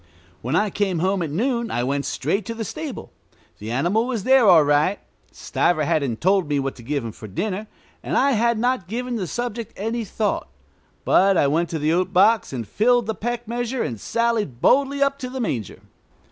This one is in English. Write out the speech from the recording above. When I came home at noon I went straight to the stable. The animal was there all right. Stiver hadn't told me what to give him for dinner, and I had not given the subject any thought; but I went to the oat box and filled the peck measure and sallied boldly up to the manger.